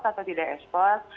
atau tidak ekspor